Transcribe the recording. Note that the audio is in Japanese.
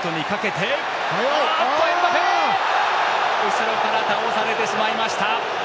後ろから倒されてしまいました。